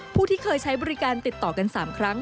ผู้ที่เคยใช้บริการติดต่อกัน๓ครั้ง